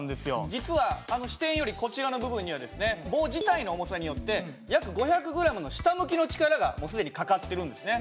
実はあの支点よりこちらの部分にはですね棒自体の重さによって約５００ｇの下向きの力がもう既にかかってるんですね。